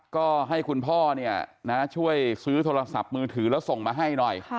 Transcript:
ก็ให้คุณพ่อช่วยซื้อโทรศัพท์มือถือแล้วส่งมาให้หน่อย